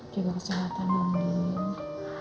jangan keselatan loh nien